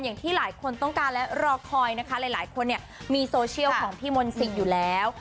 อย่างที่หลายคนต้องการและรอคอยนะคะหลายคนเนี่ยมีโซเชียลของพี่มนต์สิทธิ์อยู่แล้ว